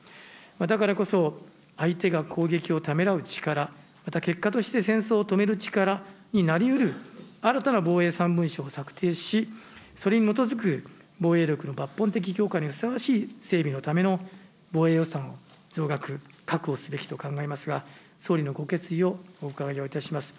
だからこそ、相手が攻撃をためらう力、また結果として戦争を止める力になりうる新たな防衛三文書を策定し、それに基づく防衛力の抜本的強化にふさわしい整備のための防衛予算を増額、確保すべきと考えますが、総理のご決意をお伺いをいたします。